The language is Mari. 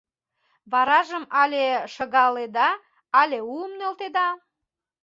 Варажым але шыгаледа, але уым нӧлтеда.